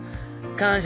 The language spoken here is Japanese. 感謝。